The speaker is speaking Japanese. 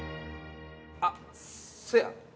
あっそや。